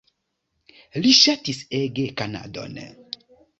Li ŝatis ege Kanadon.